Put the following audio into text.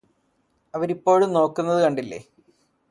അവരിപ്പോളും നോക്കുന്നത് കണ്ടില്ലേ